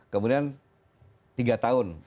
kemudian tiga tahun